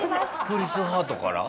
クリス・ハートから？